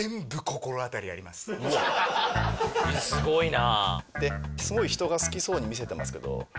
すごいな。